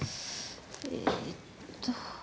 えっと。